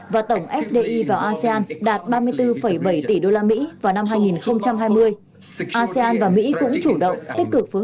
và tổng fdi vào asean đạt ba mươi bốn bảy tỷ đô la mỹ vào năm hai nghìn hai mươi asean và mỹ cũng chủ động tích cực phối